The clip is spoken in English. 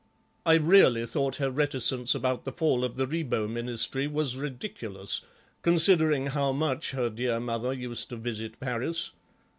I really thought her reticence about the fall of the Ribot Ministry was ridiculous, considering how much her dear mother used to visit Paris.